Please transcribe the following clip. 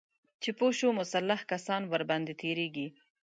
چې پوه شو مسلح کسان ورباندې تیریږي